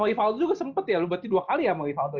sama rivaldo juga sempet ya lu berarti dua kali ya sama rivaldo ya